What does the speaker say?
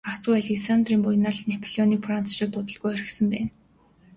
Гагцхүү Александрын буянаар л Неаполийг францчууд удалгүй орхисон байна.